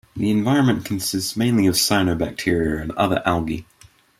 The environment consists mainly of cyanobacteria and other algae.